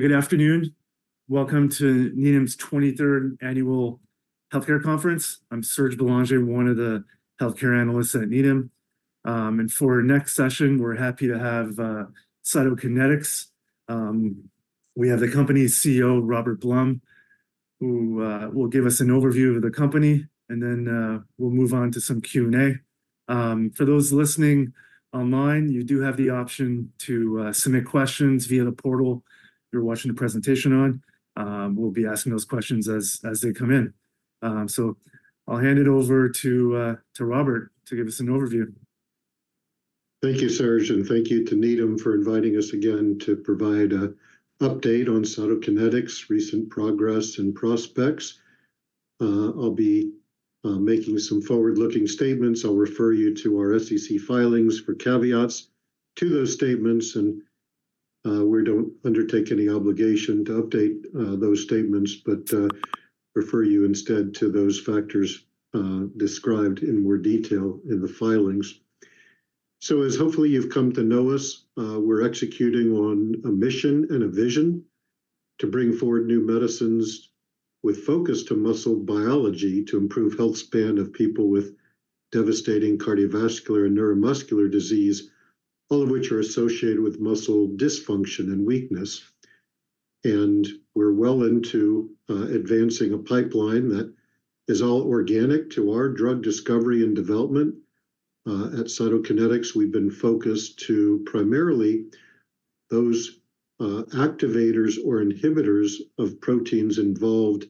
Good afternoon. Welcome to Needham's 23rd annual healthcare conference. I'm Serge Belanger, one of the Healthcare Analysts at Needham. For next session, we're happy to have Cytokinetics. We have the company's CEO, Robert Blum, who will give us an overview of the company, and then we'll move on to some Q&A. For those listening online, you do have the option to submit questions via the portal you're watching the presentation on. We'll be asking those questions as they come in. So I'll hand it over to Robert to give us an overview. Thank you, Serge, and thank you to Needham for inviting us again to provide an update on Cytokinetics' recent progress and prospects. I'll be making some forward-looking statements. I'll refer you to our SEC filings for caveats to those statements, and we don't undertake any obligation to update those statements, but refer you instead to those factors described in more detail in the filings. As hopefully you've come to know us, we're executing on a mission and a vision to bring forward new medicines with focus to muscle biology to improve healthspan of people with devastating cardiovascular and neuromuscular disease, all of which are associated with muscle dysfunction and weakness. We're well into advancing a pipeline that is all organic to our drug discovery and development. At Cytokinetics, we've been focused to primarily those, activators or inhibitors of proteins involved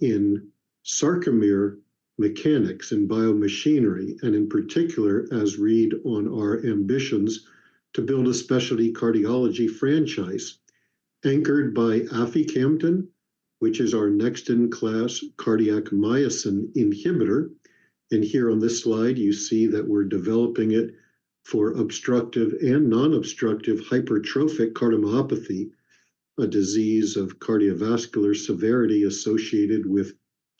in sarcomere mechanics and biomachinery, and in particular, as read on our ambitions to build a specialty cardiology franchise anchored by aficamten, which is our next-in-class cardiac myosin inhibitor. Here on this slide, you see that we're developing it for obstructive and non-obstructive hypertrophic cardiomyopathy, a disease of cardiovascular severity associated with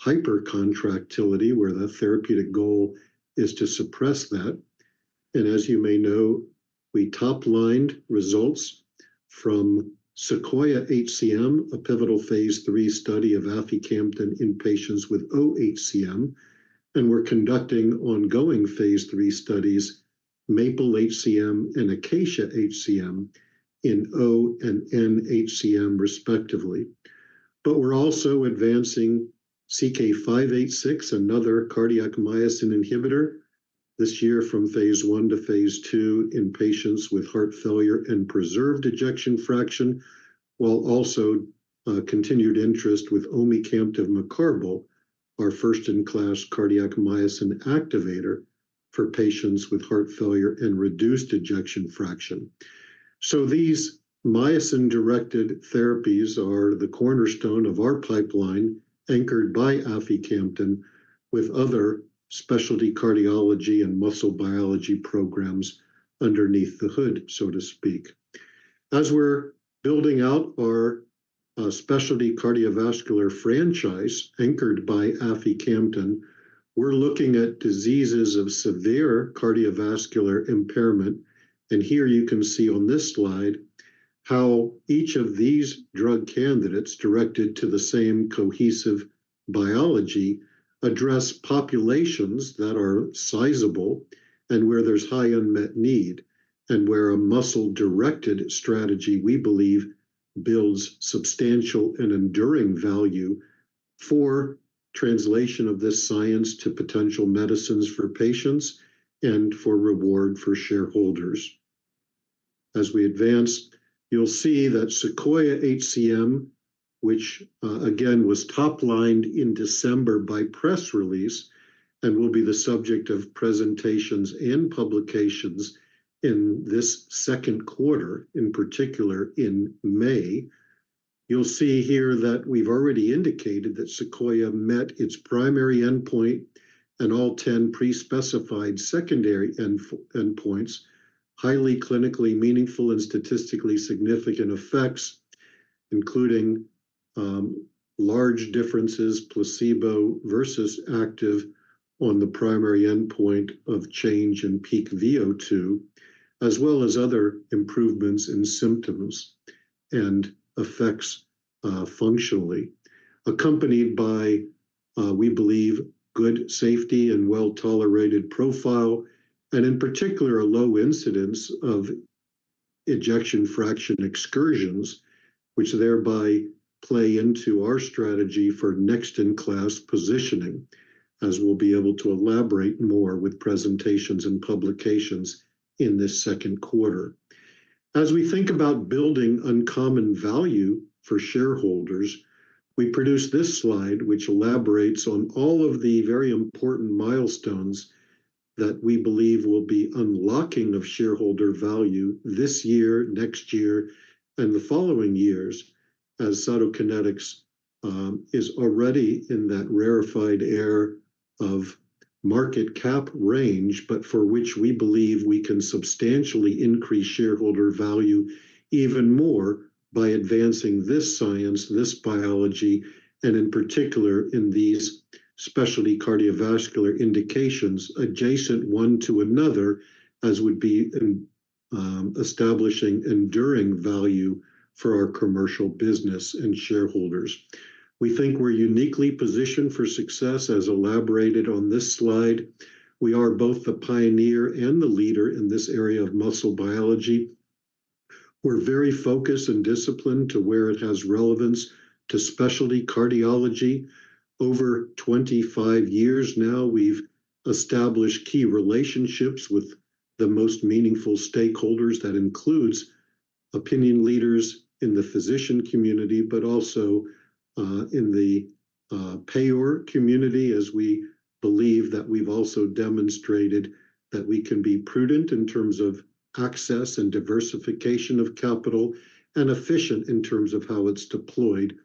hypercontractility, where the therapeutic goal is to suppress that. As you may know, we toplined results from SEQUOIA-HCM, a pivotal phase III study of aficamten in patients with oHCM, and we're conducting ongoing phase III studies, MAPLE-HCM and ACACIA-HCM, in oHCM and nHCM, respectively. But we're also advancing CK-586, another cardiac myosin inhibitor, this year from phase I to phase II in patients with heart failure and preserved ejection fraction, while also continued interest with omecamtiv mecarbil, our first-in-class cardiac myosin activator for patients with heart failure and reduced ejection fraction. So these myosin-directed therapies are the cornerstone of our pipeline anchored by aficamten with other specialty cardiology and muscle biology programs underneath the hood, so to speak. As we're building out our specialty cardiovascular franchise anchored by aficamten, we're looking at diseases of severe cardiovascular impairment. Here you can see on this slide how each of these drug candidates directed to the same cohesive biology address populations that are sizable and where there's high unmet need, and where a muscle-directed strategy, we believe, builds substantial and enduring value for translation of this science to potential medicines for patients and for reward for shareholders. As we advance, you'll see that SEQUOIA-HCM, which, again was toplined in December by press release and will be the subject of presentations and publications in this second quarter, in particular in May, you'll see here that we've already indicated that SEQUOIA-HCM met its primary endpoint and all 10 pre-specified secondary endpoints, highly clinically meaningful and statistically significant effects, including, large differences, placebo versus active, on the primary endpoint of change in Peak VO2, as well as other improvements in symptoms and effects, functionally, accompanied by, we believe, good safety and well-tolerated profile, and in particular a low incidence of ejection fraction excursions, which thereby play into our strategy for next-in-class positioning, as we'll be able to elaborate more with presentations and publications in this second quarter. As we think about building uncommon value for shareholders, we produce this slide, which elaborates on all of the very important milestones that we believe will be unlocking of shareholder value this year, next year, and the following years, as Cytokinetics is already in that rarefied air of market cap range, but for which we believe we can substantially increase shareholder value even more by advancing this science, this biology, and in particular in these specialty cardiovascular indications adjacent one to another, as would be in, establishing enduring value for our commercial business and shareholders. We think we're uniquely positioned for success, as elaborated on this slide. We are both the pioneer and the leader in this area of muscle biology. We're very focused and disciplined to where it has relevance to specialty cardiology. Over 25 years now, we've established key relationships with the most meaningful stakeholders. That includes opinion leaders in the physician community, but also in the payer community, as we believe that we've also demonstrated that we can be prudent in terms of access and diversification of capital and efficient in terms of how it's deployed,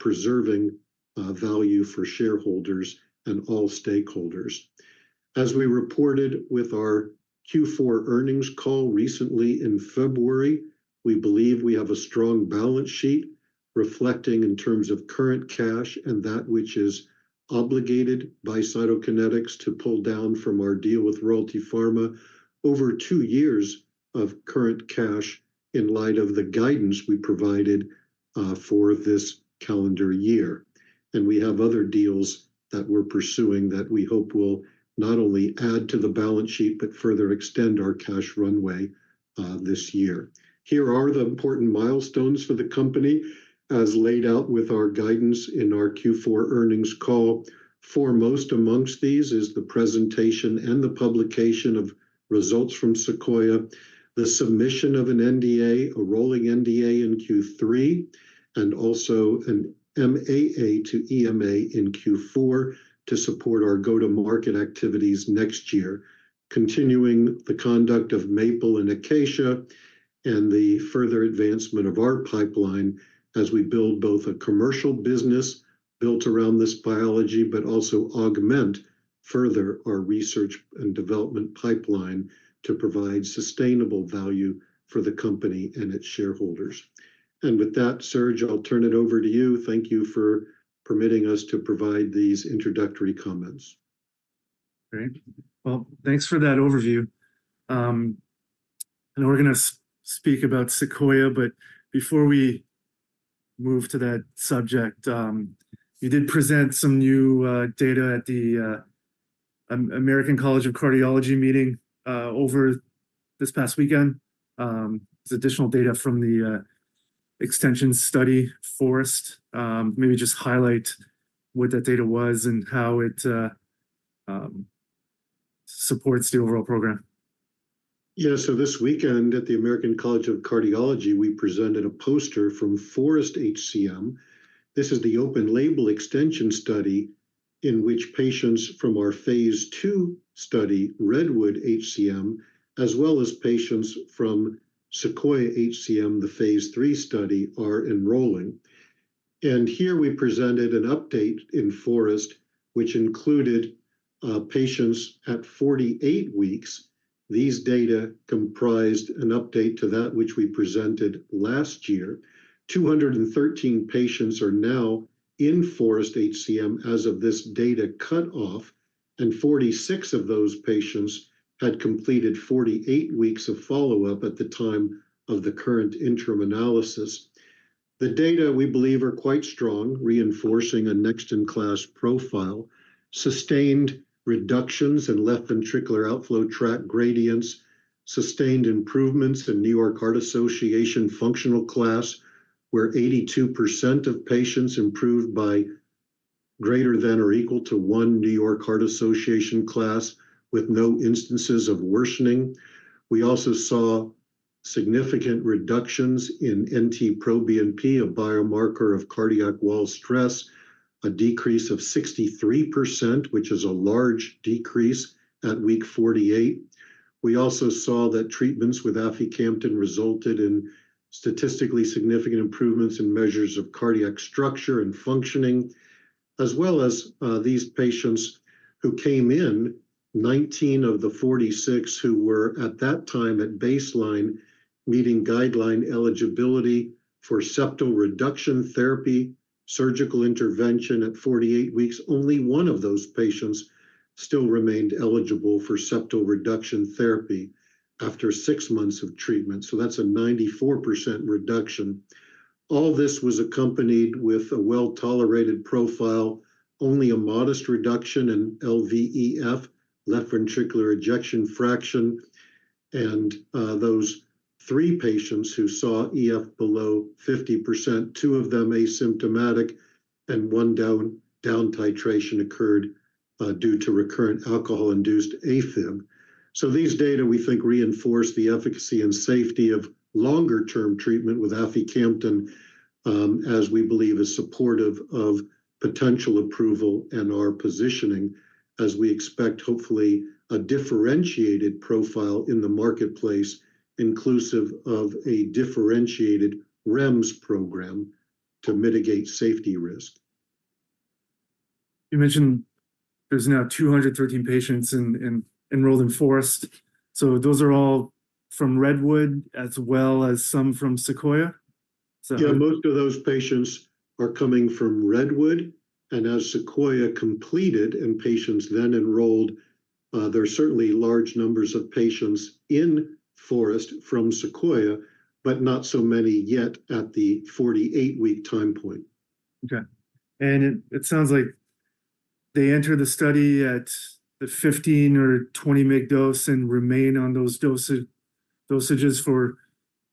preserving value for shareholders and all stakeholders. As we reported with our Q4 earnings call recently in February, we believe we have a strong balance sheet reflecting in terms of current cash and that which is obligated by Cytokinetics to pull down from our deal with Royalty Pharma, over two years of current cash in light of the guidance we provided for this calendar year. We have other deals that we're pursuing that we hope will not only add to the balance sheet, but further extend our cash runway this year. Here are the important milestones for the company, as laid out with our guidance in our Q4 earnings call. Foremost amongst these is the presentation and the publication of results from SEQUOIA, the submission of an NDA, a rolling NDA in Q3, and also an MAA to EMA in Q4 to support our go-to-market activities next year, continuing the conduct of MAPLE and ACACIA and the further advancement of our pipeline as we build both a commercial business built around this biology, but also augment further our research and development pipeline to provide sustainable value for the company and its shareholders. With that, Serge, I'll turn it over to you. Thank you for permitting us to provide these introductory comments. Great. Well, thanks for that overview. I know we're going to speak about SEQUOIA, but before we move to that subject, you did present some new data at the American College of Cardiology meeting over this past weekend. It's additional data from the FOREST extension study. Maybe just highlight what that data was and how it supports the overall program. Yeah. So this weekend at the American College of Cardiology, we presented a poster from FOREST-HCM. This is the open-label extension study in which patients from our phase II study, REDWOOD-HCM, as well as patients from SEQUOIA-HCM, the phase III study, are enrolling. And here we presented an update in FOREST-HCM, which included patients at 48 weeks. These data comprised an update to that which we presented last year. 213 patients are now in FOREST-HCM as of this data cutoff, and 46 of those patients had completed 48 weeks of follow-up at the time of the current interim analysis. The data we believe are quite strong, reinforcing a next-in-class profile, sustained reductions in left ventricular outflow tract gradients, sustained improvements in New York Heart Association functional class, where 82% of patients improved by greater than or equal to one New York Heart Association class with no instances of worsening. We also saw significant reductions in NT-proBNP, a biomarker of cardiac wall stress, a decrease of 63%, which is a large decrease at week 48. We also saw that treatments with aficamten resulted in statistically significant improvements in measures of cardiac structure and functioning, as well as, these patients who came in, 19 of the 46 who were at that time at baseline meeting guideline eligibility for septal reduction therapy, surgical intervention at 48 weeks, only one of those patients still remained eligible for septal reduction therapy after six months of treatment. So that's a 94% reduction. All this was accompanied with a well-tolerated profile, only a modest reduction in LVEF, left ventricular ejection fraction. Those three patients who saw EF below 50%, two of them asymptomatic, and one downtitration occurred, due to recurrent alcohol-induced AFib. These data we think reinforce the efficacy and safety of longer-term treatment with aficamten, as we believe is supportive of potential approval and our positioning, as we expect, hopefully, a differentiated profile in the marketplace inclusive of a differentiated REMS program to mitigate safety risk. You mentioned there's now 213 patients enrolled in FOREST. So those are all from REDWOOD as well as some from SEQUOIA? Yeah, most of those patients are coming from REDWOOD. And as SEQUOIA completed and patients then enrolled, there are certainly large numbers of patients in FOREST from SEQUOIA, but not so many yet at the 48-week time point. Okay. And it sounds like they enter the study at the 15-mg or 20-mg dose and remain on those dosages for.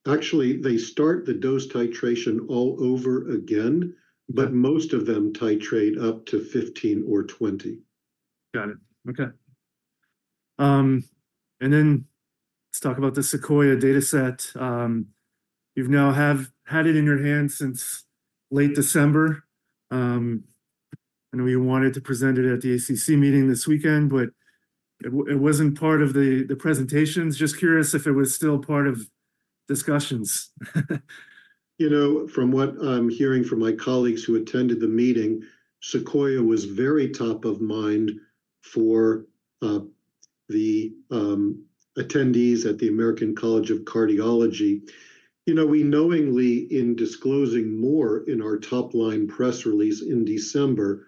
Actually, they start the dose titration all over again, but most of them titrate up to 15-mg or 20-mg. Got it. Okay. And then let's talk about the SEQUOIA dataset. You've now had it in your hands since late December. I know you wanted to present it at the ACC meeting this weekend, but it wasn't part of the presentations. Just curious if it was still part of discussions. You know, from what I'm hearing from my colleagues who attended the meeting, SEQUOIA was very top of mind for the attendees at the American College of Cardiology. You know, we knowingly in disclosing more in our topline press release in December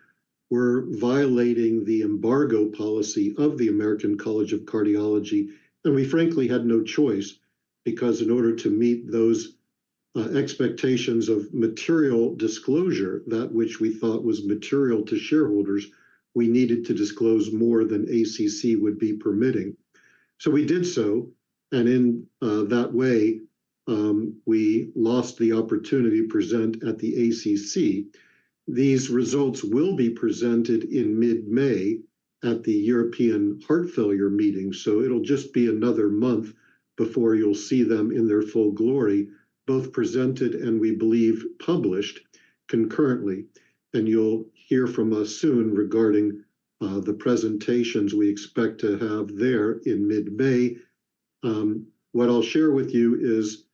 were violating the embargo policy of the American College of Cardiology. We frankly had no choice because in order to meet those expectations of material disclosure, that which we thought was material to shareholders, we needed to disclose more than ACC would be permitting. We did so. In that way, we lost the opportunity to present at the ACC. These results will be presented in mid-May at the European Heart Failure Meeting. It'll just be another month before you'll see them in their full glory, both presented and we believe published concurrently. You'll hear from us soon regarding the presentations we expect to have there in mid-May. What I'll share with you is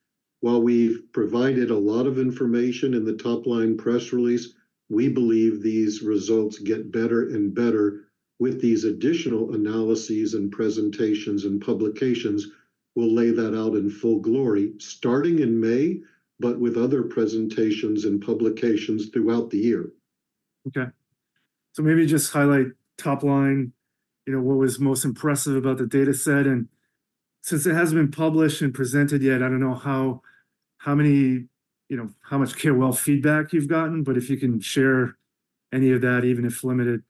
while we've provided a lot of information in the top-line press release, we believe these results get better and better with these additional analyses and presentations and publications. We'll lay that out in full glory, starting in May, but with other presentations and publications throughout the year. Okay. So maybe just highlight topline, you know, what was most impressive about the dataset. And since it hasn't been published and presented yet, I don't know how many, you know, how much KOL feedback you've gotten, but if you can share any of that, even if limited.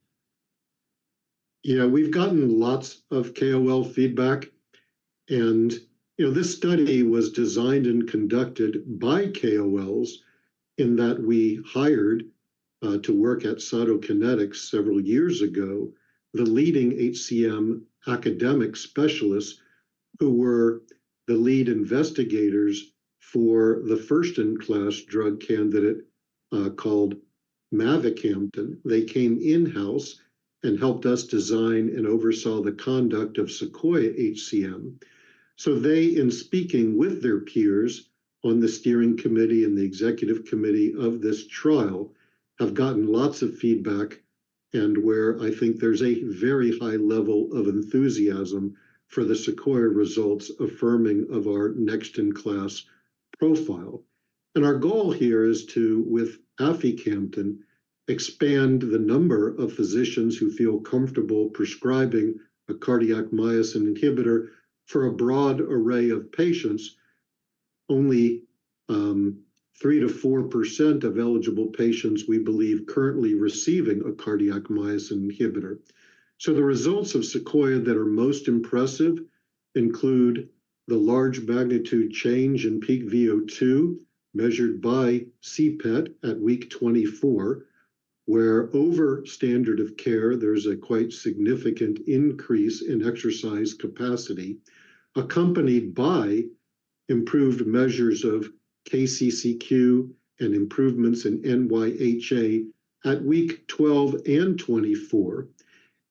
Yeah, we've gotten lots of KOL feedback. And, you know, this study was designed and conducted by KOLs in that we hired, to work at Cytokinetics several years ago, the leading HCM academic specialists who were the lead investigators for the first-in-class drug candidate, called mavacamten. They came in-house and helped us design and oversaw the conduct of SEQUOIA-HCM. So they, in speaking with their peers on the steering committee and the executive committee of this trial, have gotten lots of feedback and where I think there's a very high level of enthusiasm for the SEQUOIA-HCM results affirming of our next-in-class profile. And our goal here is to, with aficamten, expand the number of physicians who feel comfortable prescribing a cardiac myosin inhibitor for a broad array of patients. Only 3%-4% of eligible patients we believe currently receiving a cardiac myosin inhibitor. So the results of SEQUOIA that are most impressive include the large magnitude change in peak VO2 measured by CPET at week 24, where over standard of care, there's a quite significant increase in exercise capacity, accompanied by improved measures of KCCQ and improvements in NYHA at week 12 and 24,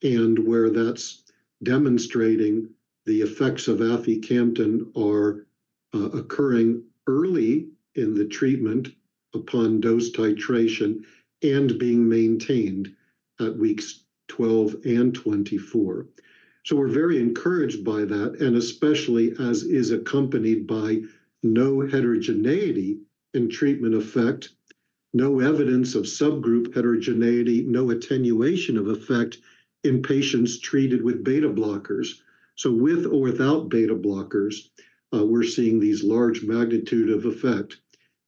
and where that's demonstrating the effects of aficamten are occurring early in the treatment upon dose titration and being maintained at weeks 12 and 24. So we're very encouraged by that, and especially as is accompanied by no heterogeneity in treatment effect, no evidence of subgroup heterogeneity, no attenuation of effect in patients treated with beta blockers. So with or without beta blockers, we're seeing these large magnitude of effect.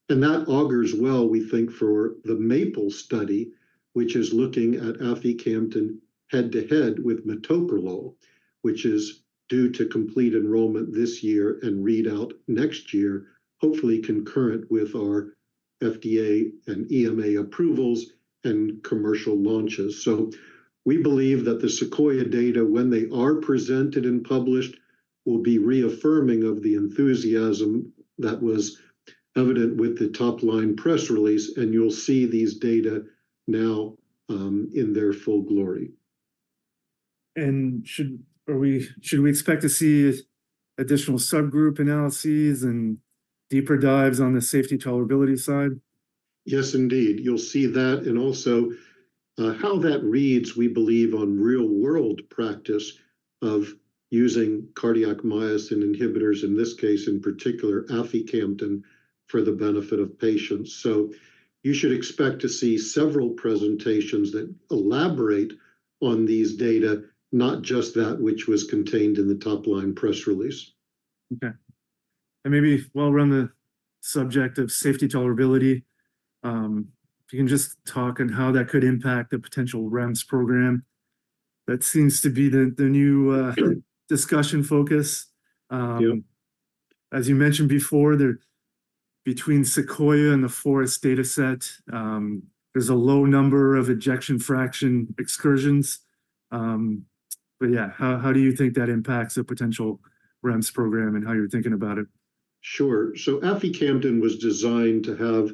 And that augurs well, we think, for the MAPLE study, which is looking at aficamten head-to-head with metoprolol, which is due to complete enrollment this year and readout next year, hopefully concurrent with our FDA and EMA approvals and commercial launches. So we believe that the SEQUOIA data, when they are presented and published, will be reaffirming of the enthusiasm that was evident with the topline press release. And you'll see these data now, in their full glory. Should we expect to see additional subgroup analyses and deeper dives on the safety tolerability side? Yes, indeed. You'll see that. And also, how that reads, we believe, on real-world practice of using cardiac myosin inhibitors, in this case in particular, aficamten, for the benefit of patients. So you should expect to see several presentations that elaborate on these data, not just that which was contained in the topline press release. Okay. And maybe while we're on the subject of safety tolerability, if you can just talk on how that could impact the potential REMS program. That seems to be the new discussion focus. As you mentioned before, there, between SEQUOIA and the FOREST dataset, there's a low number of ejection fraction excursions. But yeah, how do you think that impacts a potential REMS program and how you're thinking about it? Sure. So aficamten was designed to have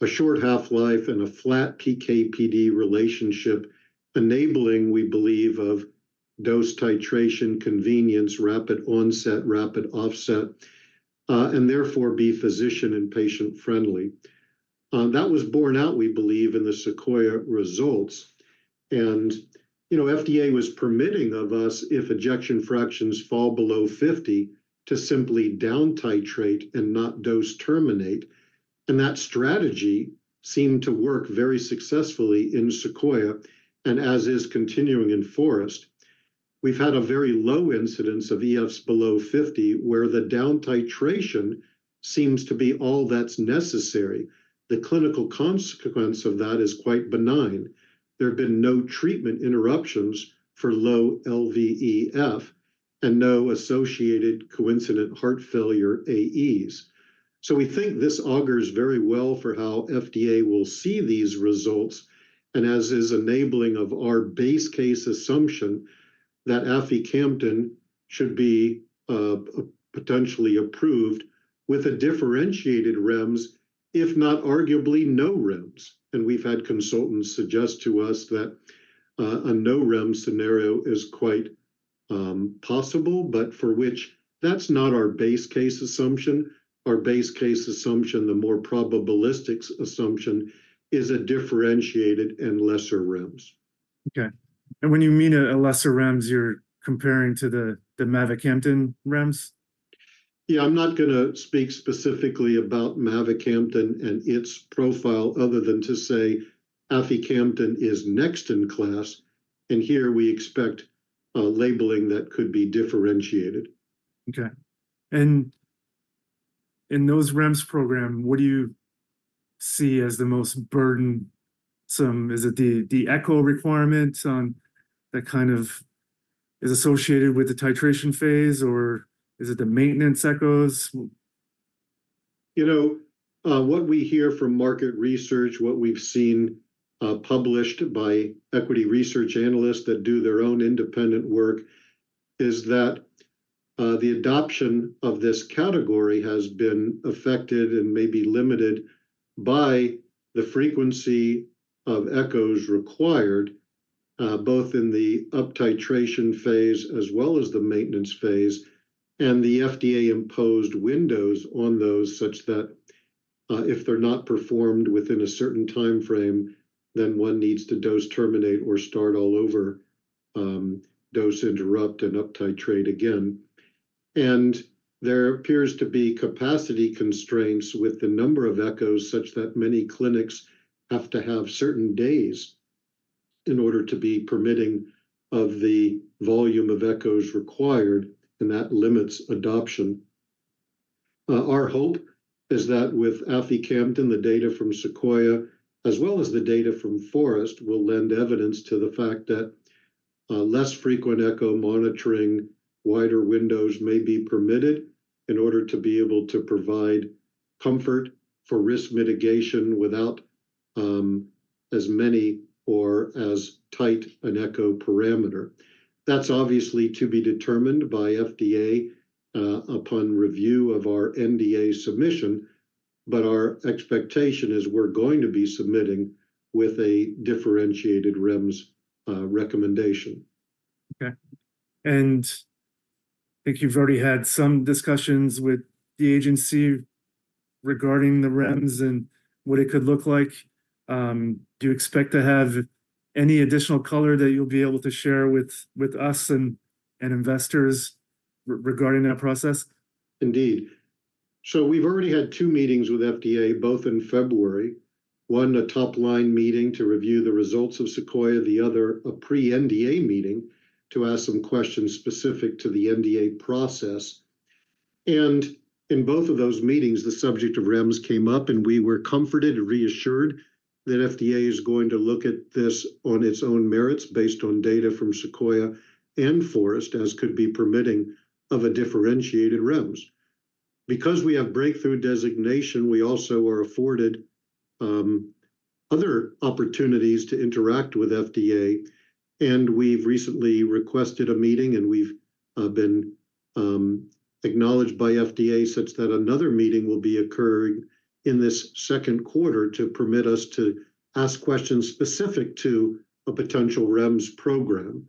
a short half-life and a flat PK/PD relationship enabling, we believe, of dose titration convenience, rapid onset, rapid offset, and therefore be physician and patient-friendly. That was borne out, we believe, in the SEQUOIA results. And, you know, FDA was permitting of us, if ejection fractions fall below 50, to simply downtitrate and not dose terminate. And that strategy seemed to work very successfully in SEQUOIA, and as is continuing in FOREST. We've had a very low incidence of EFs below 50 where the downtitration seems to be all that's necessary. The clinical consequence of that is quite benign. There have been no treatment interruptions for low LVEF and no associated coincident heart failure AEs. So we think this augurs very well for how FDA will see these results, and this is enabling of our base case assumption that aficamten should be potentially approved with a differentiated REMS, if not arguably no REMS. And we've had consultants suggest to us that a no-REMS scenario is quite possible, but for which that's not our base case assumption. Our base case assumption, the more probabilistic assumption, is a differentiated and lesser REMS. Okay. When you mean a lesser REMS, you're comparing to the mavacamten REMS? Yeah, I'm not going to speak specifically about mavacamten and its profile other than to say aficamten is next-in-class. And here we expect labeling that could be differentiated. Okay. And in those REMS programs, what do you see as the most burdensome? Is it the echo requirements on that kind of is associated with the titration phase, or is it the maintenance echoes? You know, what we hear from market research, what we've seen, published by equity research analysts that do their own independent work, is that, the adoption of this category has been affected and maybe limited by the frequency of echoes required, both in the uptitration phase as well as the maintenance phase, and the FDA-imposed windows on those such that, if they're not performed within a certain time frame, then one needs to dose terminate or start all over, dose interrupt and uptitrate again. And there appears to be capacity constraints with the number of echoes such that many clinics have to have certain days in order to be permitting of the volume of echoes required, and that limits adoption. Our hope is that with aficamten, the data from SEQUOIA, as well as the data from FOREST, will lend evidence to the fact that less frequent echo monitoring, wider windows may be permitted in order to be able to provide comfort for risk mitigation without as many or as tight an echo parameter. That's obviously to be determined by FDA upon review of our NDA submission. But our expectation is we're going to be submitting with a differentiated REMS recommendation. Okay. And I think you've already had some discussions with the agency regarding the REMS and what it could look like. Do you expect to have any additional color that you'll be able to share with us and investors regarding that process? Indeed. So we've already had two meetings with FDA, both in February. One, a topline meeting to review the results of SEQUOIA. The other, a pre-NDA meeting to ask some questions specific to the NDA process. And in both of those meetings, the subject of REMS came up, and we were comforted and reassured that FDA is going to look at this on its own merits based on data from SEQUOIA and FOREST as could be permitting of a differentiated REMS. Because we have breakthrough designation, we also are afforded other opportunities to interact with FDA. And we've recently requested a meeting, and we've been acknowledged by FDA such that another meeting will be occurring in this second quarter to permit us to ask questions specific to a potential REMS program.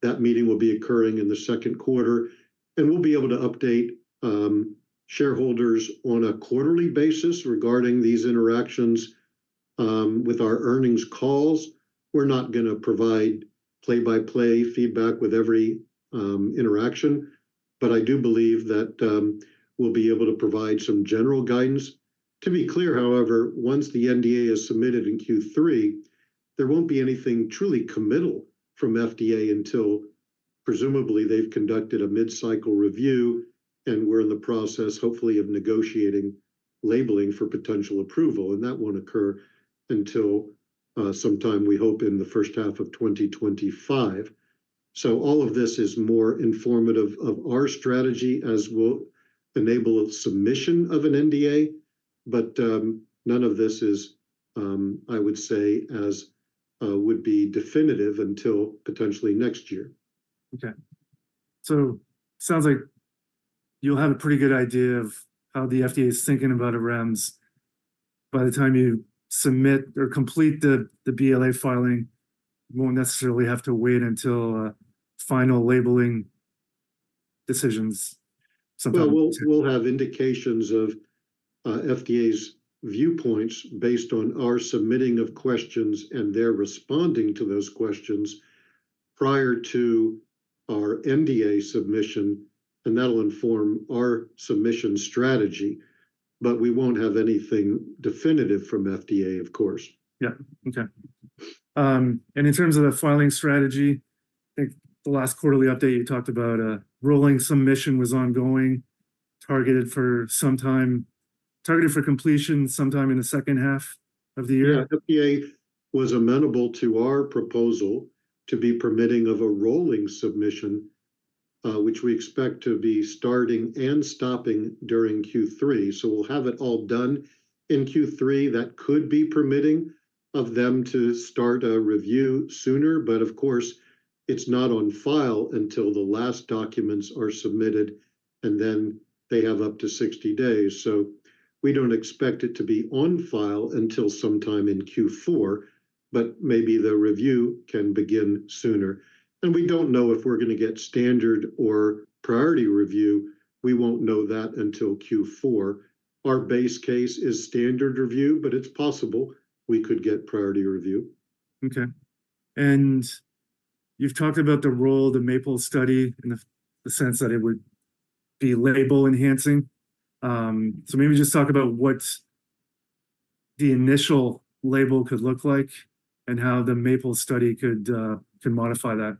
That meeting will be occurring in the second quarter. We'll be able to update shareholders on a quarterly basis regarding these interactions with our earnings calls. We're not going to provide play-by-play feedback with every interaction. But I do believe that we'll be able to provide some general guidance. To be clear, however, once the NDA is submitted in Q3, there won't be anything truly committal from FDA until, presumably, they've conducted a mid-cycle review, and we're in the process, hopefully, of negotiating labeling for potential approval. That won't occur until sometime, we hope, in the first half of 2025. All of this is more informative of our strategy as we'll enable submission of an NDA. But none of this is, I would say, as would be definitive until potentially next year. Okay. So it sounds like you'll have a pretty good idea of how the FDA is thinking about a REMS. By the time you submit or complete the BLA filing, you won't necessarily have to wait until final labeling decisions sometime. Well, we'll have indications of FDA's viewpoints based on our submitting of questions and their responding to those questions prior to our NDA submission. And that'll inform our submission strategy. But we won't have anything definitive from FDA, of course. Yeah. Okay. And in terms of the filing strategy, I think the last quarterly update you talked about, rolling submission was ongoing, targeted for sometime, targeted for completion sometime in the second half of the year. Yeah, FDA was amenable to our proposal to be permitting of a rolling submission, which we expect to be starting and stopping during Q3. So we'll have it all done in Q3. That could be permitting of them to start a review sooner. But of course, it's not on file until the last documents are submitted, and then they have up to 60 days. So we don't expect it to be on file until sometime in Q4, but maybe the review can begin sooner. And we don't know if we're going to get standard or priority review. We won't know that until Q4. Our base case is standard review, but it's possible we could get priority review. Okay. You've talked about the role of the MAPLE study in the sense that it would be label enhancing. So maybe just talk about what the initial label could look like and how the MAPLE study could, can modify that.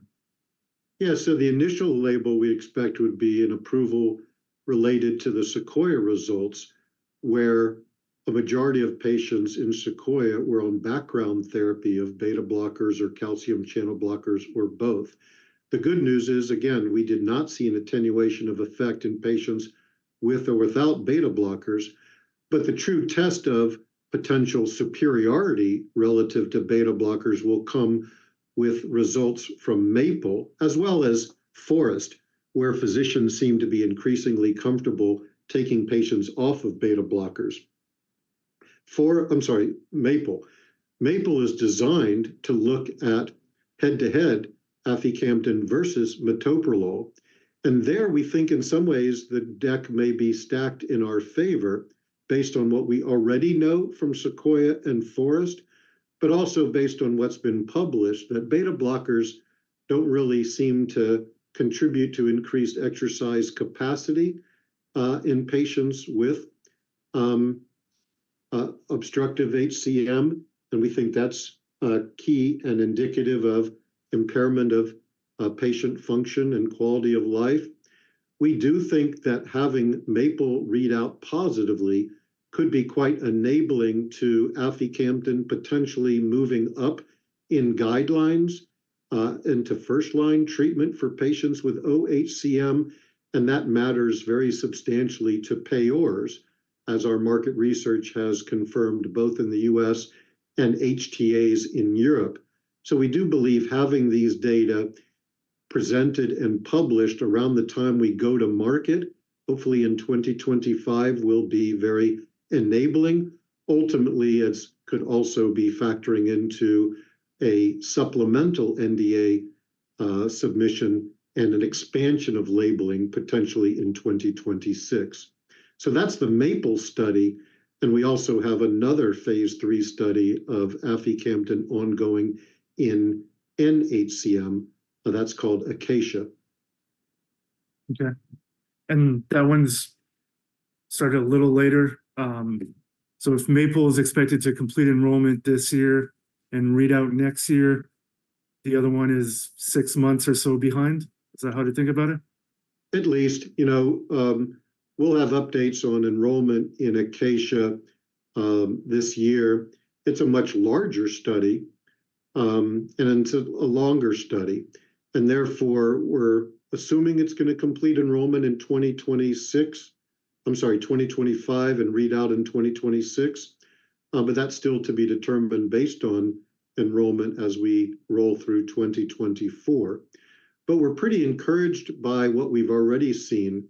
Yeah. So the initial label we expect would be an approval related to the SEQUOIA results, where a majority of patients in SEQUOIA were on background therapy of beta blockers or calcium channel blockers or both. The good news is, again, we did not see an attenuation of effect in patients with or without beta blockers. But the true test of potential superiority relative to beta blockers will come with results from MAPLE as well as FOREST, where physicians seem to be increasingly comfortable taking patients off of beta blockers. For, I'm sorry, MAPLE. MAPLE is designed to look at head-to-head aficamten versus metoprolol. There we think, in some ways, the deck may be stacked in our favor based on what we already know from SEQUOIA and FOREST, but also based on what's been published, that beta blockers don't really seem to contribute to increased exercise capacity in patients with obstructive HCM. We think that's key and indicative of impairment of patient function and quality of life. We do think that having MAPLE read out positively could be quite enabling to aficamten potentially moving up in guidelines, into first-line treatment for patients with oHCM. That matters very substantially to payors, as our market research has confirmed, both in the U.S. and HTAs in Europe. We do believe having these data presented and published around the time we go to market, hopefully in 2025, will be very enabling. Ultimately, it could also be factoring into a supplemental NDA submission and an expansion of labeling potentially in 2026. So that's the MAPLE-HCM study. And we also have another phase III study of aficamten ongoing in nHCM. That's called ACACIA-HCM. Okay. And that one's started a little later. So if MAPLE is expected to complete enrollment this year and read out next year, the other one is six months or so behind. Is that how to think about it? At least, you know, we'll have updates on enrollment in ACACIA this year. It's a much larger study, and it's a longer study. Therefore, we're assuming it's going to complete enrollment in 2026. I'm sorry, 2025 and read out in 2026. But that's still to be determined based on enrollment as we roll through 2024. We're pretty encouraged by what we've already seen.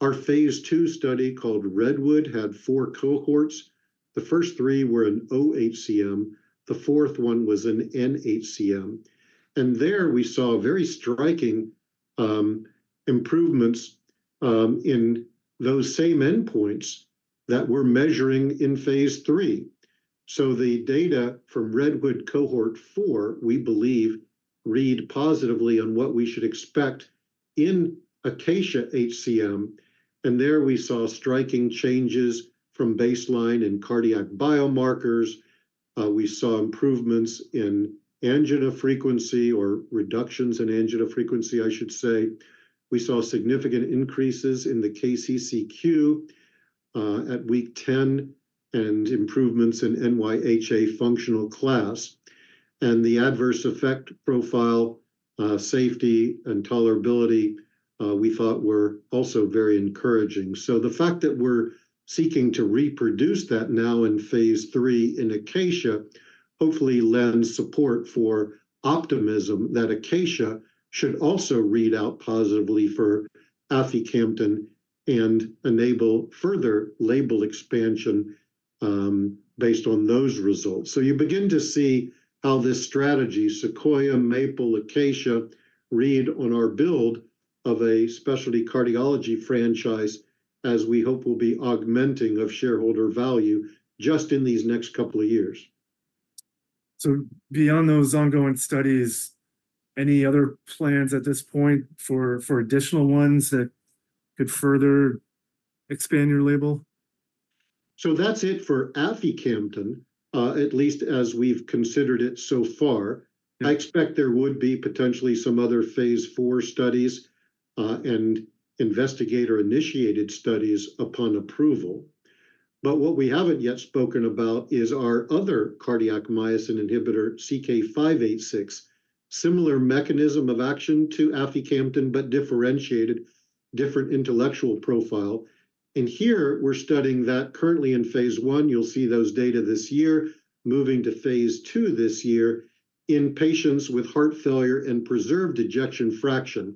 Our phase II study called REDWOOD had four cohorts. The first three were an oHCM. The fourth one was an nHCM. There we saw very striking improvements in those same endpoints that we're measuring in phase III. The data from REDWOOD cohort four, we believe, read positively on what we should expect in ACACIA HCM. There we saw striking changes from baseline in cardiac biomarkers. We saw improvements in angina frequency or reductions in angina frequency, I should say. We saw significant increases in the KCCQ at week 10 and improvements in NYHA functional class. And the adverse effect profile, safety and tolerability, we thought were also very encouraging. So the fact that we're seeking to reproduce that now in phase III in ACACIA hopefully lends support for optimism that ACACIA should also read out positively for aficamten and enable further label expansion, based on those results. So you begin to see how this strategy, SEQUOIA, MAPLE, ACACIA, read on our build of a specialty cardiology franchise, as we hope will be augmenting of shareholder value just in these next couple of years. Beyond those ongoing studies, any other plans at this point for additional ones that could further expand your label? So that's it for aficamten, at least as we've considered it so far. I expect there would be potentially some other phase IV studies, and investigator-initiated studies upon approval. But what we haven't yet spoken about is our other cardiac myosin inhibitor, CK-586, similar mechanism of action to aficamten, but differentiated, different intellectual profile. And here we're studying that currently in phase I. You'll see those data this year moving to phase II this year in patients with heart failure and preserved ejection fraction.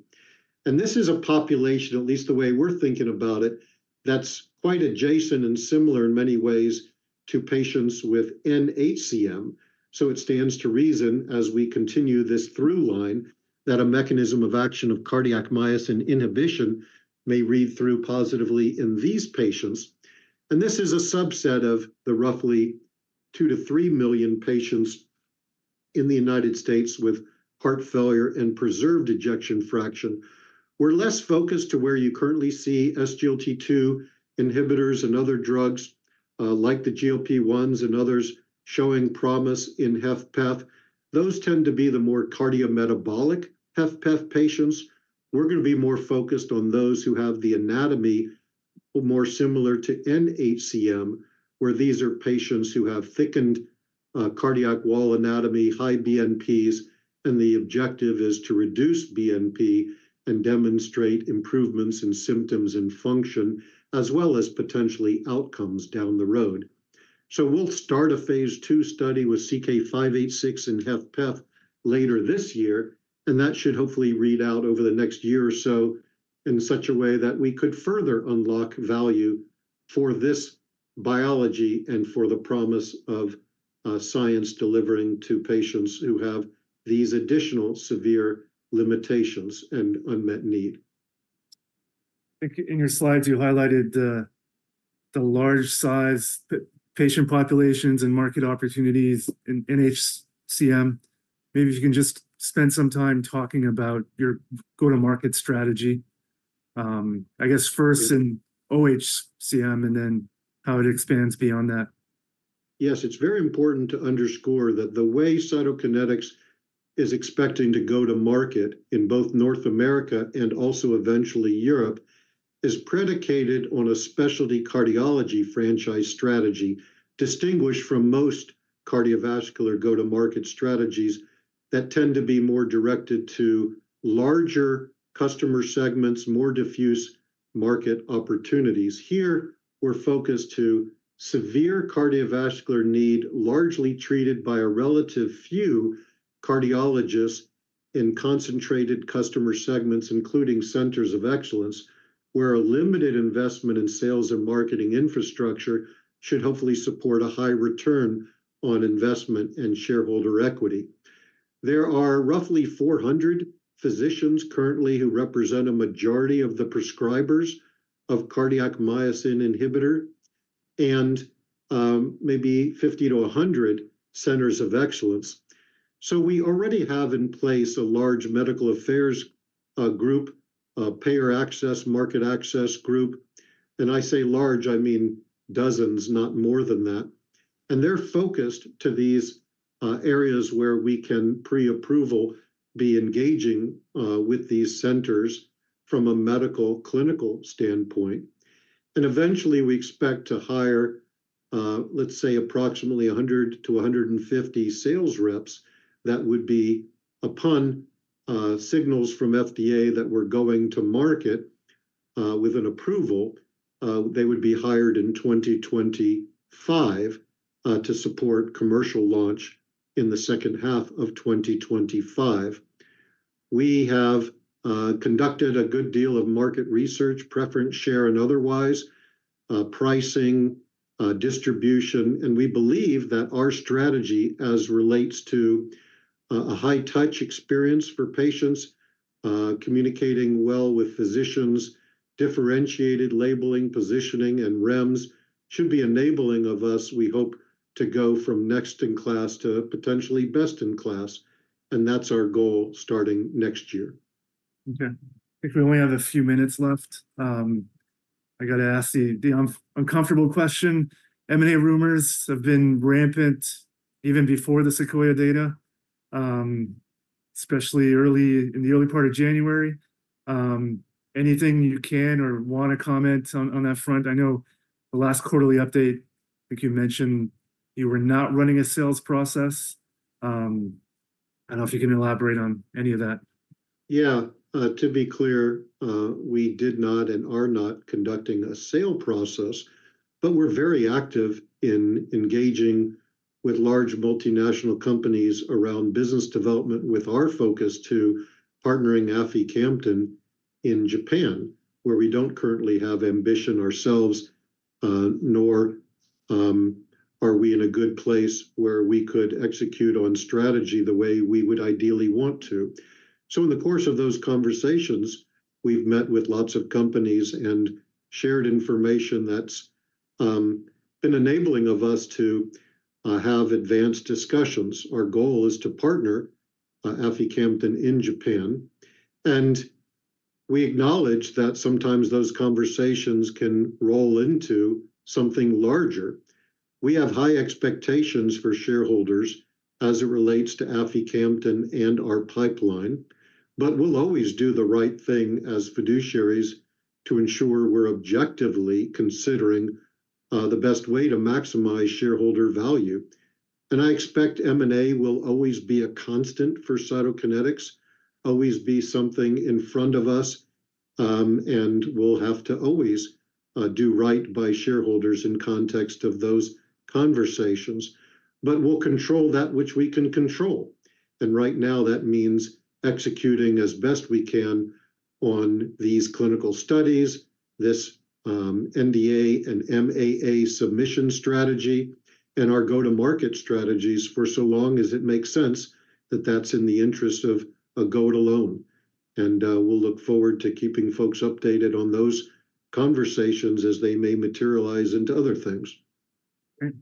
And this is a population, at least the way we're thinking about it, that's quite adjacent and similar in many ways to patients with nHCM. So it stands to reason as we continue this through line that a mechanism of action of cardiac myosin inhibition may read through positively in these patients. This is a subset of the roughly 2-3 million patients in the United States with heart failure and preserved ejection fraction. We're less focused to where you currently see SGLT2 inhibitors and other drugs, like the GLP-1s and others showing promise in HFpEF. Those tend to be the more cardiometabolic HFpEF patients. We're going to be more focused on those who have the anatomy more similar to nHCM, where these are patients who have thickened, cardiac wall anatomy, high BNPs, and the objective is to reduce BNP and demonstrate improvements in symptoms and function, as well as potentially outcomes down the road. So we'll start a phase two study with CK-586 and HFpEF later this year. That should hopefully read out over the next year or so in such a way that we could further unlock value for this biology and for the promise of science delivering to patients who have these additional severe limitations and unmet need. I think in your slides, you highlighted the large size patient populations and market opportunities in nHCM. Maybe if you can just spend some time talking about your go-to-market strategy, I guess first in oHCM and then how it expands beyond that. Yes, it's very important to underscore that the way Cytokinetics is expecting to go to market in both North America and also eventually Europe is predicated on a specialty cardiology franchise strategy, distinguished from most cardiovascular go-to-market strategies that tend to be more directed to larger customer segments, more diffuse market opportunities. Here we're focused to severe cardiovascular need largely treated by a relative few cardiologists in concentrated customer segments, including centers of excellence, where a limited investment in sales and marketing infrastructure should hopefully support a high return on investment and shareholder equity. There are roughly 400 physicians currently who represent a majority of the prescribers of cardiac myosin inhibitor and, maybe 50 centers-100 centers of excellence. So we already have in place a large medical affairs, group, payer access, market access group. And I say large, I mean dozens, not more than that. They're focused to these areas where we can pre-approval be engaging with these centers from a medical clinical standpoint. Eventually we expect to hire, let's say approximately 100 sales reps-150 sales reps that would be upon signals from FDA that we're going to market with an approval. They would be hired in 2025 to support commercial launch in the second half of 2025. We have conducted a good deal of market research, preference share and otherwise, pricing, distribution. We believe that our strategy as relates to a high-touch experience for patients, communicating well with physicians, differentiated labeling, positioning, and REMS should be enabling of us, we hope, to go from next in class to potentially best in class. That's our goal starting next year. Okay. I think we only have a few minutes left. I got to ask the uncomfortable question. M&A rumors have been rampant even before the SEQUOIA data, especially in the early part of January. Anything you can or want to comment on that front? I know the last quarterly update, I think you mentioned you were not running a sales process. I don't know if you can elaborate on any of that. Yeah. To be clear, we did not and are not conducting a sale process, but we're very active in engaging with large multinational companies around business development with our focus to partnering aficamten in Japan, where we don't currently have ambition ourselves, nor are we in a good place where we could execute on strategy the way we would ideally want to. So in the course of those conversations, we've met with lots of companies and shared information that's been enabling of us to have advanced discussions. Our goal is to partner aficamten in Japan. And we acknowledge that sometimes those conversations can roll into something larger. We have high expectations for shareholders as it relates to aficamten and our pipeline, but we'll always do the right thing as fiduciaries to ensure we're objectively considering the best way to maximize shareholder value. I expect M&A will always be a constant for Cytokinetics, always be something in front of us, and we'll have to always do right by shareholders in context of those conversations. But we'll control that which we can control. Right now that means executing as best we can on these clinical studies, this NDA and MAA submission strategy, and our go-to-market strategies for so long as it makes sense that that's in the interest of a go-it-alone. We'll look forward to keeping folks updated on those conversations as they may materialize into other things. Okay.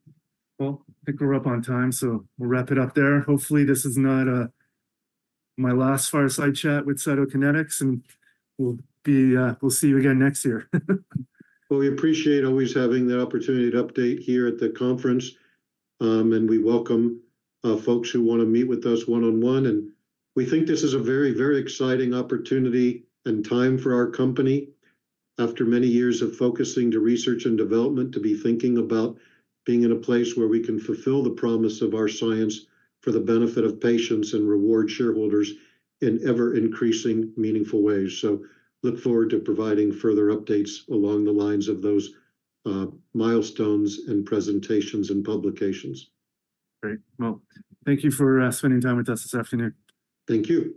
Well, I think we're up on time, so we'll wrap it up there. Hopefully this is not my last fireside chat with Cytokinetics, and we'll be, we'll see you again next year. Well, we appreciate always having the opportunity to update here at the conference. We welcome folks who want to meet with us one-on-one. We think this is a very, very exciting opportunity and time for our company after many years of focusing to research and development to be thinking about being in a place where we can fulfill the promise of our science for the benefit of patients and reward shareholders in ever-increasing meaningful ways. Look forward to providing further updates along the lines of those milestones and presentations and publications. Great. Well, thank you for spending time with us this afternoon. Thank you.